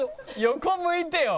横向いてよ。